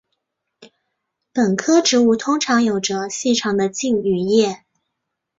本科植物通常有着细长的茎与叶。